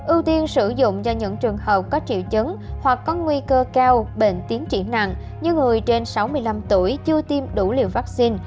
ưu tiên sử dụng cho những trường hợp có triệu chứng hoặc có nguy cơ cao bệnh tiến triển nặng như người trên sáu mươi năm tuổi chưa tiêm đủ liều vaccine